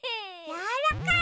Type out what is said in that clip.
やわらかい！